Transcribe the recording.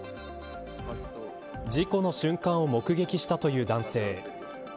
事故の瞬間を目撃したという男性。